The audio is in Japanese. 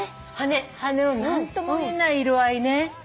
羽の何とも言えない色合いね。